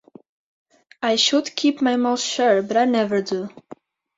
I should keep my mouth shut, but I never do.